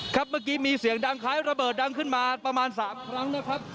ครับเมื่อกี้มีเสียงดังคล้ายระเบิดดังขึ้นมาประมาณ๓ครั้งนะครับ